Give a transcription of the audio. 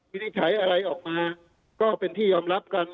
นิจฉัยอะไรออกมาก็เป็นที่ยอมรับกัน